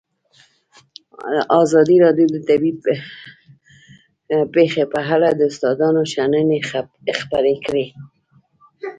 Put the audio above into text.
ازادي راډیو د طبیعي پېښې په اړه د استادانو شننې خپرې کړي.